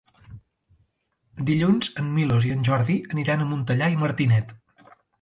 Dilluns en Milos i en Jordi aniran a Montellà i Martinet.